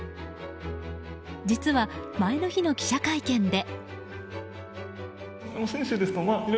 実は、前の日の記者会見で。